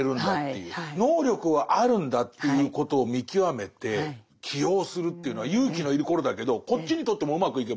能力はあるんだっていうことを見極めて起用するというのは勇気の要ることだけどこっちにとってもうまくいけば。